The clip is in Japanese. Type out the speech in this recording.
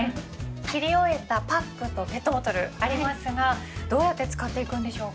切り終えたパックとペットボトルありますがどうやって使っていくんでしょうか？